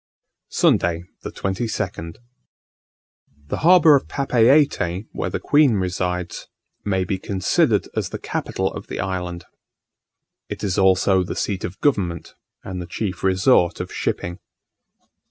Sunday, 22nd. The harbour of Papiete, where the queen resides, may be considered as the capital of the island: it is also the seat of government, and the chief resort of shipping.